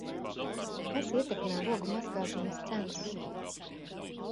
Kas ietekmē logu mazgāšanas cenas?